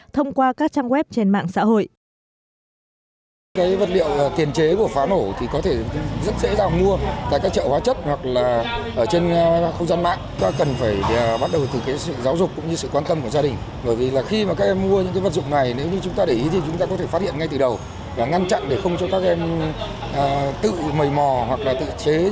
thông qua các trang web trên mạng xã hội